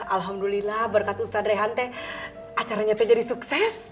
alhamdulillah berkat ustadz rehan teh acaranya teh jadi sukses